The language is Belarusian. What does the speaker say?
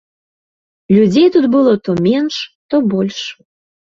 Людзей тут было то менш, то больш.